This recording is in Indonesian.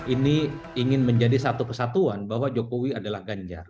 ini ingin menjadi satu kesatuan bahwa jokowi adalah ganjar